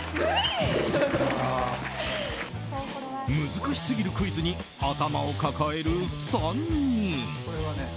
難しすぎるクイズに頭を抱える３人。